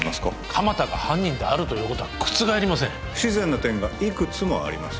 鎌田が犯人であるということはくつがえりません不自然な点がいくつもあります